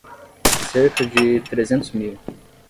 Cerca de trezentos mil.